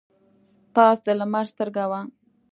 پاس د لمر سترګه وه.